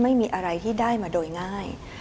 ไม่มีอะไรที่ได้มาโดยง่าย